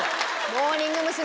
モーニング娘。